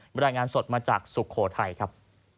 รายงานสดมาจากสุโขทัยครับ